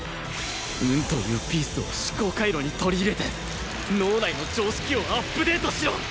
運というピースを思考回路に取り入れて脳内の常識をアップデートしろ！